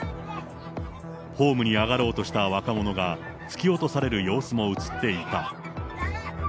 ホームに上がろうとした若者が突き落とされる様子も映っていた。